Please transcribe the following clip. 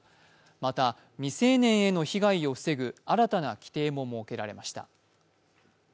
また未成年への被害を防ぐ新たな規定も設けられました。